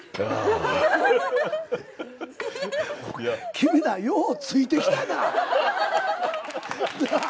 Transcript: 君らようついてきたな。